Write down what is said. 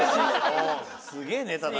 すげえネタだな。